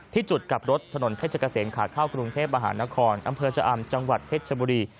จุดกลับรถถนนเพชรเกษมขาเข้ากรุงเทพมหานครอำเภอชะอำจังหวัดเพชรชบุรี